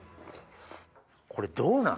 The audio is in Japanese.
これどうなん？